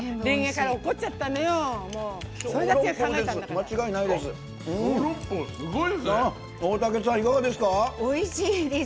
間違いないです。